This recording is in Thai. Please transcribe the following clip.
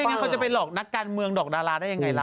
คุณแม่งก็จะไปหลอกนักการเมืองหลอกดาราได้ยังไงล่ะ